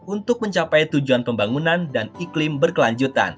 untuk mencapai tujuan pembangunan dan iklim berkelanjutan